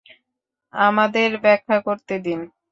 আমাদের ব্যাখ্যা করতে দিন।